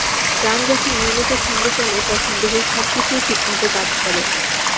প্রাণ যখন নিয়মিত ছন্দে চলে, তখন দেহের সব-কিছুই ঠিকমত কাজ করে।